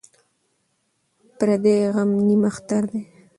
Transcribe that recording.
ـ پردى غم نيم اختر دى.